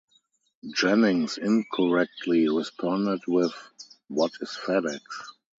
Jennings incorrectly responded with What is FedEx?